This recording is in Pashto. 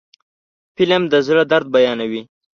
فلم د زړه درد بیانوي